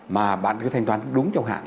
mà bạn cứ thanh toán đúng trong hạn